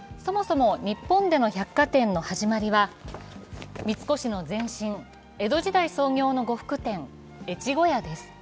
そもそも日本での百貨店の始まりは三越の前身江戸時代創業の呉服店・越後屋です。